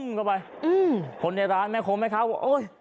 ไปชนต้มเข้าไปอืมคนในร้านแม่โค้งแม่ค้าว่าโอ๊ย